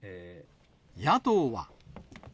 野党は。